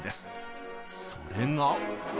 それが。